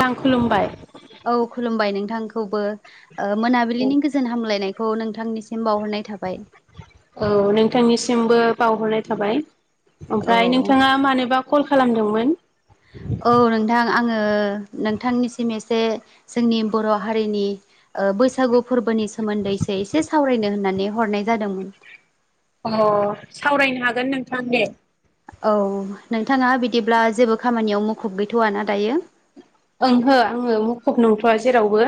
आं खुलुमबाय औ खुलुमबाय नोंथां खौबो ओ मोनाबिलिनि गोजोन हामलायनायखौ नोंथांनिसिम बावहरनाय थाबाय औ नोंथांनिसिमबो बावहरनाय थाबाय औ ओमफ्राय नोंथाङा मानोबा कल खालामदोंमोन? औ नोंथां आङो ओ नोंथांनिसिम एसे जोंनि बर' हारिनि ओ बैसागु फोरबोनि सोमोन्दैसो एसे सावरायनो होननानै हरनाय जादोंमोन अ सावरायनो हागोन नोंथां ने औ नोंथाङा बिदिब्ला जेबो खामानियाव मुखुब गैथ'व ना दायो ओंहो आङो मुखुब नंथ'आ जेरावबो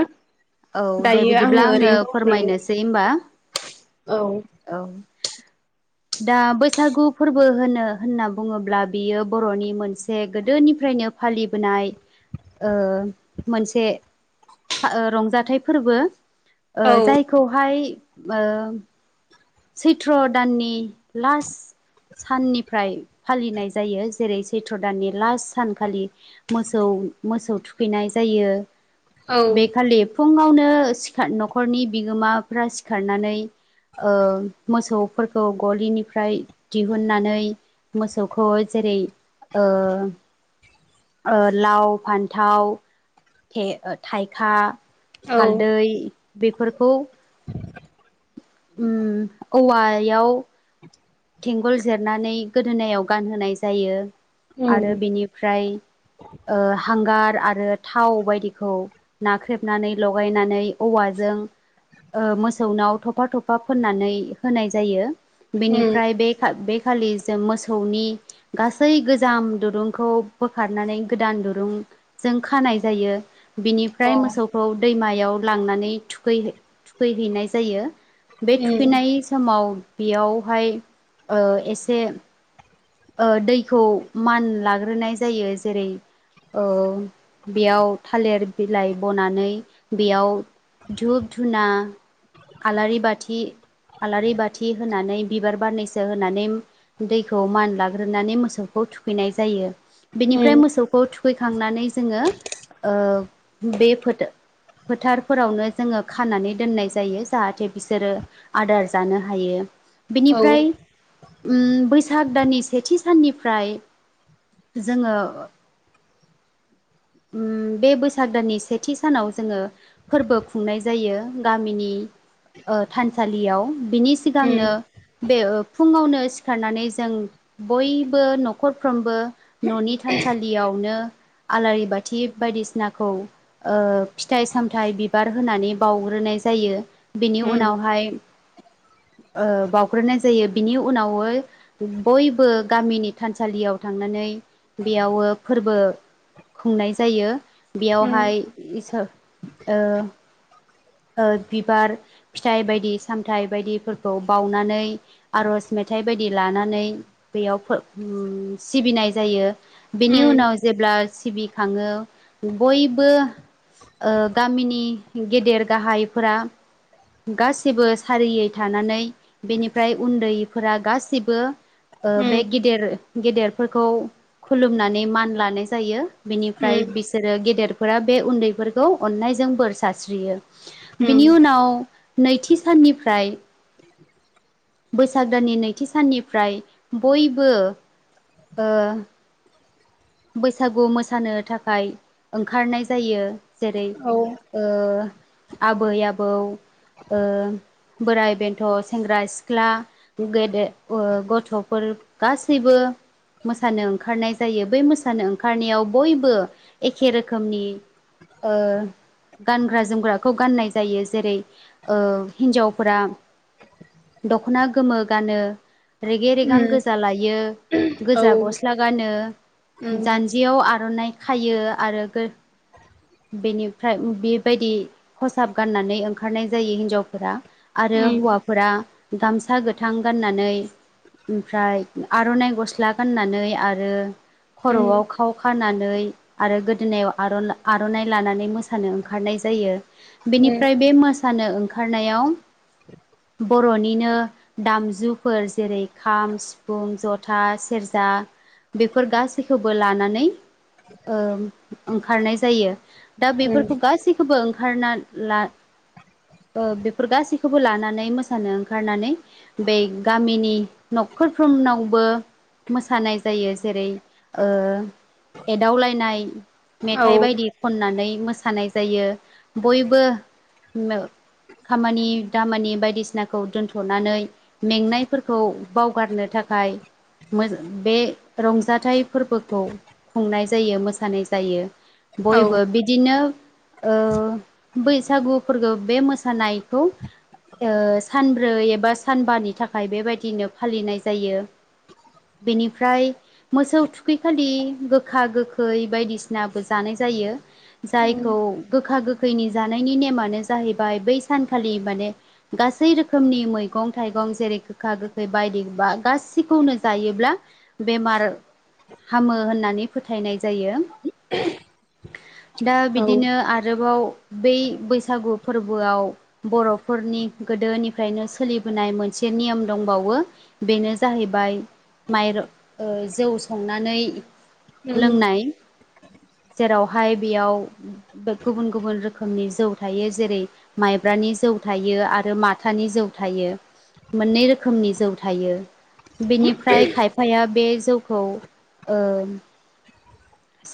औ दे दायो बिदिब्ला आङो ओरैनो दंथ'यो फोरमायनोसै होनबा औ। औ [inaudible] दा बैसागु फोरबो होनो होनना बुङोब्ला बियो बर'नि मोनसे गोदोनिफ्राय फालिबोनाय ओ मोनसे ओ रंज थाइ फोरबो औ जायखौहाय सैथ्र' दाननि लास्ट साननिफ्राय फालिनाय जायो जेरै सैथ्र दाननि लास्ट सानखालि मोसौ मोसौ थुखैनाय जायो औ बेखालि फुङावनो नो न'खरनि बिगोमाफ्रा सिखारनानै ओ मोसौफोरखौ गलिनिफ्राय दिहुननानै मोसौखौ जेरै ओ लाव फान्थाव थाइखा औ हालदै बेफोरखौ उम औवायाव थेंगल जेरनानै गोदोनायाव गानहोनाय जायो उम आरो बेनिफ्राय ओ हांगार आरो थाव बायदिखौ नाख्रेबनानै लगायनानै औवाजों ओ मोसौनाव थफा थफा फोननानै होनाय जायो उम बेनिफ्राय बे बे खालि जों मोसौनि गासै गोजाम दुरुंखौ बोखारनानै गोदान दुरुं जों खानाय जायो अ बेनिफ्राय मोसौखौ दैमायाव लांनानै थुखै थुखैहैनाय जायो बे उम थुखैनाय समाव बेयावहाय ओ एसे ओ दैखौ मान लाग्रोनाय जायो जेरै ओ बेयाव थालेर बिलाइ बनानै बेयाव धुप धुना आलारि बाथि आलारि बाथि होनानै बिबार बारनैसो होनानै दैखौ मान लाग्रोनानै मोसौखौ थुखैनाय जायो बेनिफ्राय उम मोसौखौ थुखै खांनानै जोङो ओ बे फोथा फोथारफोरावनो जोङो खानानै दोननाय जायो जाहाथे बिसोरो आदार जानो हायो। औ बेनिफ्राय उम बैसाग दाननि सेथि साननिफ्राय जोङो उम। बे बैसाग दाननि सेथि सानाव जोङो फोरबो खुंनाय जायो गामिनि ओ थानसालियाव बिनि सिगांनो उम बे फुङावनो सिखारनानै जों बयबो नख'रफ्रोमबो न'नि थान सालियावनो आलारि बाथ थि बायदिसिनाखौ ओ फिथाइ सामथाइ बिबार होनानै बाउग्रोनाय जायो। बेनि उम उनावहाय ओ बाउग्रोनाय जायो बिनि उनावो बयबो गामिनि थानसालियाव थांनानै बेयावो फोरबो खुंनाय जायो उम बेयावहाय इस ओ ओ बिबार फिथाइ बायदि सामथाइ बायदिफोरखौ बाउनानै आरज मेथ थाइ बायदि लानानै बेयाव फोर ओम सिबिनाय जायो बेनि उम उनाव जेब्ला ओ सिबिखाङो बयबो ओ गामिनि गेदेर गाहायफोरा गासिबो सारियै थानानै बेनिफ्राय उन्दैफोरा गासिबो ओ बे उम गेदेर गेदेरफोरखौ खुलुमनानै मान लानाय जायो। बेनिफ्राय उम बिसोरो गेदेरफोरा बे उन्दैफोरखौ अननायजों बोर सास्रियो। उम बिनि उनाव नैथि साननिफ्राय बैसाग दाननि नैथि साननिफ्राय बयबो ओ बैसागु मोसानो थाखाय ओंखारनाय जायो। जेरै औ ओ आबै आबौ ओ बोराइ बेन्थ' सेंग्रा सिख्ला गेदे ओ गथ'फोर गासैबो मोसानो ओंखारनाय जायो बे मोसानो ओंखारनायाव बयबो एखे रोखोमनि ओ गानग्रा जोमग्राखौ गाननाय जायो जेरै ओ हिन्जावफोरा दख'ना गोमो गानो। रेगे रेगां उम गोजा लायो औ गोजा उम उम गस्ला गानो। जान्जियाव आर'नाइ खायो आरो गोर बेनिफाय बेबायदि खसाब गाननानै ओंखारनाय जायो हिनजावफोरा आर रो उम हौवाफोरा गामसा गोथां गाननानै ओमफ्राय आर'नाइ गस्ला गाननानै आरो खर'आव खाव खानानै आरो गोदोनायाव आर' आर'नाइ लानानै मोसानो ओंखारनाय जायो। उम बेनिफ्राय बे मोसानो ओंखारनायाव बर'निनो दामजुफोर जेरै खाम, सिफुं, जथा, सेरज जा बेफोर गासै खौबो लानानै ओ ओंखारनाय जायो। दा उम बेफोरखौ गासैखौबो ओंखारना ला ओ बेफोर गासैखौबो लानानै मोसानो ओंखारनानै बेै गामिनि नख खोरफ्रोमनावबो मोसानाय जायो। जेरै ओ एदावलायनाय मेथाइ बायदि औ खननानै मोसानाय जायो। बयबो मो खामानि दामानि बायदिसिनाखौ दोनथ'नानै मेंनायफोरखौ बावगारनो थाख बाय मोज बे रंजाथाइ फोरबोखौ खुंनाय जायो। मोसानाय जायो। औ बयबो बिदिनो ओ बैसागु फोरखौ बे मोसानायखौ ओ सानब्रै एबा सानबानि थाखाय बेबादिनो फालिनाय जायो। बेनिफ्राय मोसौ थुख खै खालि गोखा गोखै बायदिसिनाबो जानाय जायो। औ औ जायखौ गोखा गोखैनि जानायनि नेमानो जाहैबाय बै सानखालि माने गान सै रोखोमनि मैगं थाइगं जेरै गोखा गोखै बायदि बा गासैखौनो जायोब्ला। बेमार हामो होननानै फोथायनाय जायो। दा बिदिनो आरोबाव बै बैसागु फोरबोआव बर'फोरनि गोदोनिफ्रायनो सोलिबोनाय मोनस से नियम दंबावो। बेनो जाहैबाय मयर‌ ओ जौ संनानै लोंनाय। जेरावहाय बेयाव गुबुन गुबुन रोखोमनि जौ थायो। जेरै माइब्रा ब्रानि जौ थायो आरो माथानि जौ थायो। मोन्नै रोखोमनि जौ थायो‌। बेनिफ्राय खायफाया बे जौखौ ओं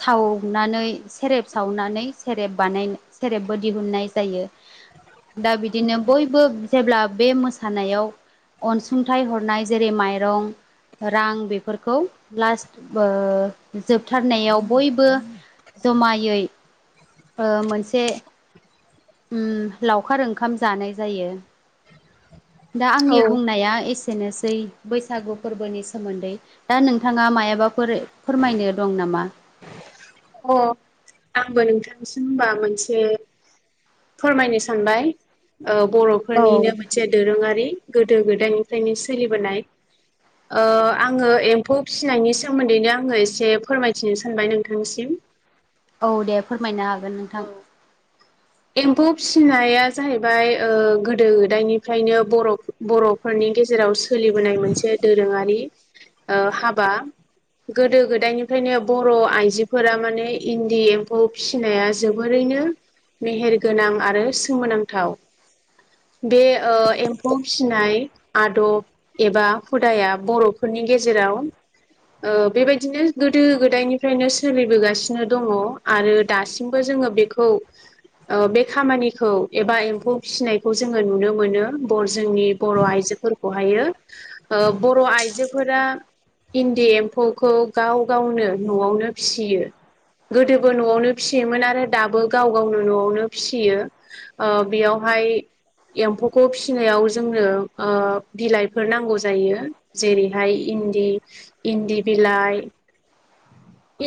सावनानै सेरेब सावनानै सेरेब बानाय सेरेबबो दिहुनन्नाय जायो। दा बिदिनो बयबो जेब्ला बे मोसानायाव अनसुंथाइ हरनाय जेरै माइरं रां बेफोरखौ लास थुबओ जोबथारनायाव बयबो जमायै ओ मोनसे उम लावखार ओंखाम जानाय जायो। दा आंनि अ बुंनाया एसेनोसै बैसागु फोरबोनि सोमोन्दै। दा नोंथाङा मायाबा फोरो फोरमायनो दं नामा? अ आंबो नोंथांसिम होनबा मोनसे फोरमायनो सानबाय ओ औ बर'फोरनिनो मोनसे दोरोङारि गोदो गोद दायनिफ्रायनो सोलिबोनाय। ओ आङो एम्फौ फिसिनायनि सोमोन्दैनो आङो एसे फोरमायथिनो सानबाय नोंथांसिम। औ दे फोरमायनो हागोन नोंथां। औ एम्फौ फिसिनाया जाहैबाय ओ गोदो ओ गोदायनिफ्रायनो बर' बर'फोरनि गेजेराव सोलिबोनाय मोनसे दोरोङारि ओ हाबा। गोदो गोदायनिफ्रायनो बर' आइजोफोरा माने इन्दि एम्फौ फिनाया जोबोरैनो मेहेरगोनां आरो सोमोनांथाव। बे ओ एम्फौ फिसिनाय आदब एबा हुदाया बर'फोरनि नि गेजेराव ओ बेबायदिनो गोदो गोदायनिफ्रायनो सोलिबोगासिनो दङ। आरो दासि जोङो बेखौ ओ बे खामानिखौ एबा एम्फौ फिनायखौ जोङो नुनो मोनो। बर जोंनि बर' आइजो फोरखौ हायो ओ बर' आइजोफोरा। इन्दि एम्फौखौ गाव गावनो न'आवनो फियो। गोदोबो न'आवनो फियोमोन आरो दाबो गाव गावनो न'आवनो फियो। ओ बेयावहाय एम्फौखौ फिसिनायाव जोंनो ओ बिलाइफोर नांगौ जायो। जेरैहाय इन्दि इन्दि बिलाय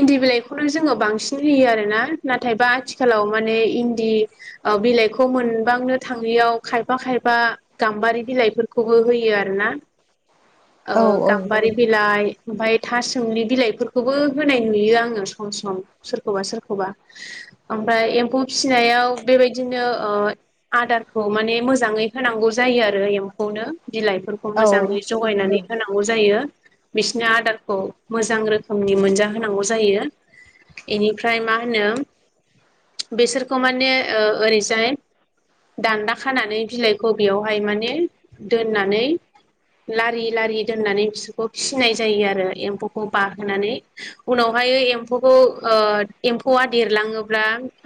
इन्दि बिलाइखौनो जोङो बांसिन होयो आरोना नाथायबा आथिखालाव माने इन्दि ओ बिलाइखौ मोनबांनो थाङियाव खायफा खायफा गाम्बारि बिलाइफोरखौबो होयो आरोना। [inaudible] ओ औ गाम्बारि बिलाइ ओमफाय थासोमलि बिलाइफोरखौबो होनाय नुयो आङो सम सम सोरखौबा सोरखौबा ओमफ्राय एम्फौ फिसिनायाव बेबायदिनो ओ आदारखौ माने मोजाङै होनांगौ जायो आरो एम्फौनो बिलाइफोरखौ औ मोजाङै नंगौ जगायनानै होनांगौ जायो। बिसनो आदारखौ मोजां रोखोमनि मोनजा होनांगौ जायो इनिफ्राय मा होनो? बेसोरखौ माने ओ ओरैजाय दान्दा खानानै बिलाइखौ बेयावहाय माने दोननानै लारि लारि दोननानै बिसोरखौ फिसिनाय जायो आरो एम्फौखौ बाहोनानै उनावहाययो एम्फौखौ ओ एम्फौआ देरलाङोब्ला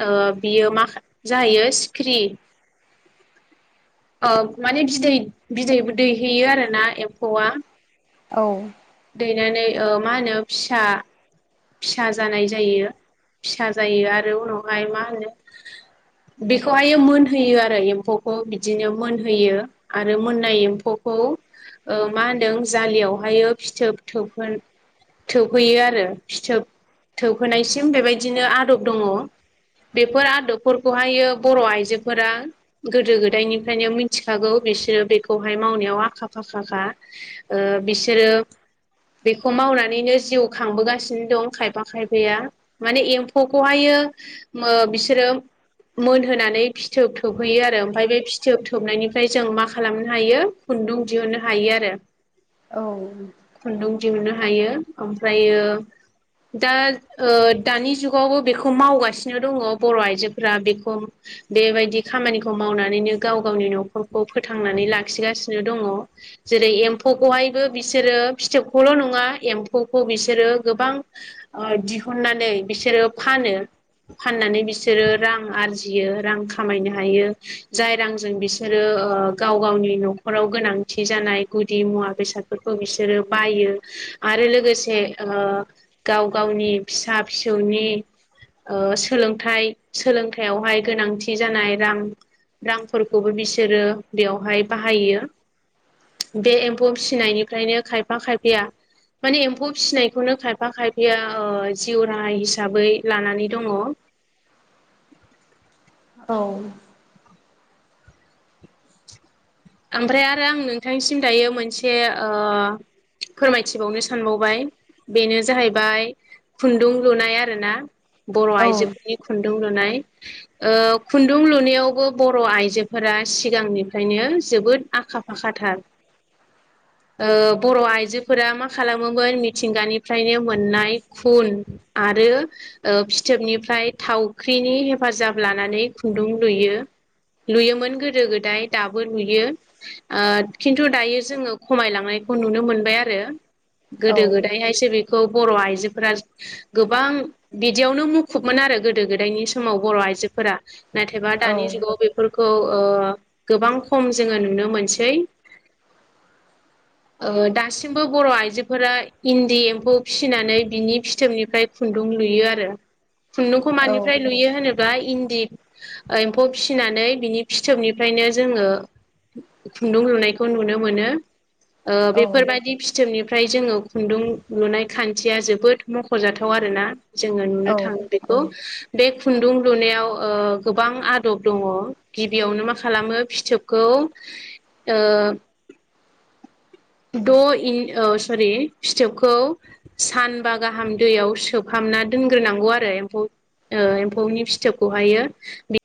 ओ बियो माखा जाहैयो सिख्रि [inaudible] ओ माने बिदै बिदैबो दैहैयो आरोना एम्फौआ औ। दैनानै ओ मा होनो फिसा फिसा जानाय जायो। फिसा जायो आरो उनावहाय मा होनो! बेखौहायो मोनहोयो आरो एम्फौखौ बिदिनो मोनहोयो आरो मोननाय एम्फौखौ खौ ओ मा होनदों जालियावहायो फिथोब थोब होनो थोबहैयो आरो फिथोब थोबहोनायसिम बेबायदिनो आदब दङ। बेफोर आदबफोरखौहायो बर' आइजोफोरा गोदो गोदायनिफ्रायनो मिन्थिखागौ। बिस्सो बेखौहाय मावनायाव आखा फाखाखा। ओ बिसोरो बेखौ मावनानैनो जिउ खांबोगासि नो दं खायफा खायफाया माने एम्फौखौहायो मो बिसोरो मोनहोनानै फिथोब थोबहोयो आरो ओमफ्राय बे फिथोब थोबनायनिफ्राय जों मा खालामनो हायो? खुन्दुं दिहुननो हायो आरो औ। खुन्दुं दिहुननो हायो ओमफ्रायो दा ओ दानि जुगावबो बेखौ मावगासिनो दङो बर' आइजोफोरा बेखौ बेबायदि खामानिखौ मावनानैनो गाव गावनि न'खरखौ फोथांनानै लाखिगासिनो दङ। जेरै एम्फौखौहायबो बिसोरो फिथोबखौल' नङा एम्फौखौ बिसोरो गोबां ओ दिहुननानै बिसोरो फानो फाननानै बिसोरो रां आरजियो रां खामायनो हायो ‌। जाय रांजों बिसोरो ओ गाव गावनि न'खराव गोनांथि जानाय गुदि मुवा बेसादफोरखौ बिसोरो बायो। आरो लोगोसे ओ गाव गावनि फिसा फिसौनि ओ सोलोंथाइ सोलोंथायाइयावहाय गोनांथि जानाय रां रांफोरखौबो बिसोरो बेयावहाय बाहायो। बे एम्फौ फिनायनिफ्रायनो खायफा खायफाया माने एम्फौ फिसिनायखौनो खायफा खाय या ओ जिउ राहा हिसाबै लानानै दङ। [inaudible] औ। ओमफ्राय आरो आं नोंथांनिसिम दायो मोनसे ओ फोरमायथिबावनो सानबावबाय। बेनो जाहैबाय खुन्दुं लुनाय आरो ना बर' औ आइजोफोरनि खुन्दुं लुनाय ओ खुन्दुं लुनायावबो बर' आइजोफोरा सिगांनिफ्रायनो जोबोद आखा फाखाथार। [inaudible] ओ बर' आइजोफोरा मा खालामोमोन मिथिंगानिफ्रायनो मोननाय खुन आ रो ओ फिथोबनिफ्राय थावख्रिनि हेफाजाब लानानै खुन्दुं लुयो। लुयोमोन गोदो गोदाय दाबो लुयो ओ खिन्थु दायो जोङो खमायलांनायखौ नुनो मोनबाय आरो। गोदो गोदायहायसो बे खौ बर' आइजोफोरा गोबां बिदियावनो मुखुबमोन आरो गोदो गोदायनि समाव बर' आ आइजोफोरा नाथायबा दानि जुगाव बेफोरखौ ओ गोबां खम जोङो नुनो मोनसै। ओ दासिमबो बर' आइजोफोरा इन्दि एम्फौ फिसिनानै बिनि फिथोबनिफ्राय खुन दुं लुयो आरो खुन्दुंखौ मानिफ्राय लुयो होनो ब्ला इन्दि एम्फौ फिसिनानै बिनि फिथोबनिफ्रायनो जोङो खुन्दुं लुनायखौ नुनो मोनो ओ बेफोरबायदि फिथोबनिफ्राय जोङो खुन्दुं लुनाय खान्थिया जोबोद मख'जाथाव आरोना। जोङो औ नुनो थाङो बेखौ औ बे खु खुन्दुं लुनायाव ओ गोबां आदब दङ गिबियावनो मा खालामो फिथोब खौ ओ द इ ओ औ सरि फिथोबखौ सानबा गाहाम दैयाव सोमहाब ना दोनग्रोनांगौ आरो एम्फौ ओ एम्फौनि फिथोबखौहायो बि